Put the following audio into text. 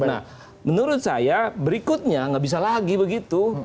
nah menurut saya berikutnya nggak bisa lagi begitu